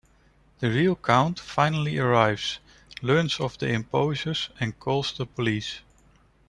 The real Count finally arrives, learns of the imposters and calls the police.